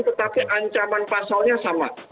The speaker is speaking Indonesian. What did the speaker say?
tetapi ancaman pasalnya sama